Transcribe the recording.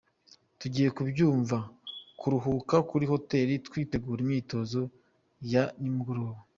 Tugiye mu byumba kuruhuka kuri hoteli twitegura imyitozo ya nimugoroba.